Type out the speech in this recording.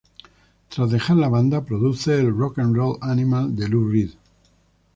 Tras dejar la banda, produce el "Rock n Roll Animal" de Lou Reed.